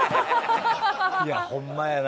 いやほんまやな。